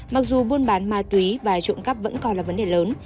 mặc dù buôn bán ma túy và trộm cắp vẫn còn là vấn đề lớn